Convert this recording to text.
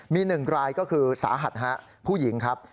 มี๑รายก็คือสาหัสผู้หญิงครับ